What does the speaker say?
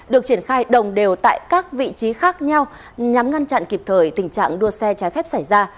được triển khai đồng đều tại các vị trí khác nhau nhằm ngăn chặn kịp thời tình trạng đua xe trái phép xảy ra